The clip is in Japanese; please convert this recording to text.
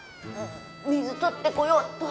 水取ってこよっと。